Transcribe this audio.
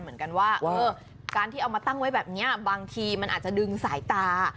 เหมือนกันว่าการที่เอามาตั้งไว้แบบนี้บางทีมันอาจจะดึงสายตา